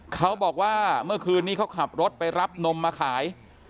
เขาบอกว่าเมื่อคืนนี้เขาขับรถไปรับนมมาขาย